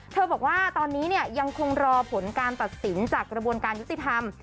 บอกว่าตอนนี้เนี่ยยังคงรอผลการตัดสินจากกระบวนการยุติธรรม